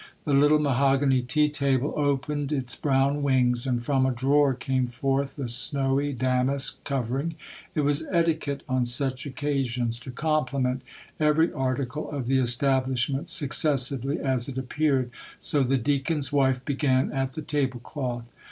The little mahogany tea table opened its brown wings, and from a drawer came forth the snowy damask covering. It was etiquette, on such occasions, to compliment every article of the establishment successively as it appeared; so the Deacon's wife began at the table cloth.